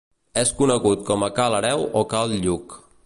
És conegut com a ca l'Hereu o cal Lluc.